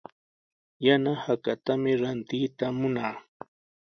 Yana hakatami rantiyta munaa.